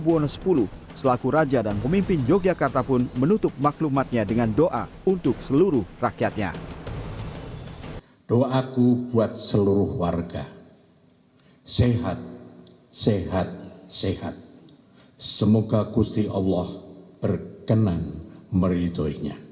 dan juga yang beritahu yang tidak beritahu